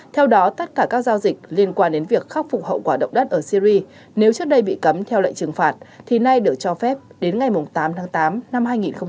theo đó tất cả các giao dịch liên quan đến việc khắc phục hậu quả động đất ở syri nếu trước đây bị cấm theo lệnh trừng phạt thì nay được cho phép đến ngày tám tháng tám năm hai nghìn hai mươi